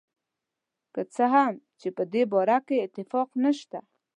که څه هم چې په دې باره کې اتفاق نشته.